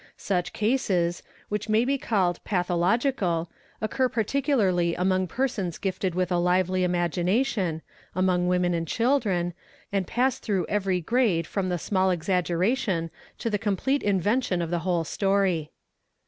Such cases, which may be called 'pathological,' occur particularly among persons gifted with a, lively imagination, among woman and children, and pass through every grade from the small exaggeration to the complete invention of the whole story.